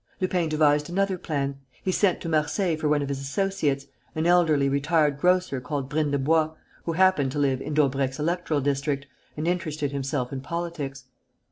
Lupin devised another plan. He sent to Marseilles for one of his associates, an elderly retired grocer called Brindebois, who happened to live in Daubrecq's electoral district and interested himself in politics.